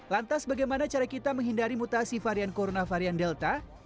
lantas bagaimana cara kita menghindari mutasi varian corona varian delta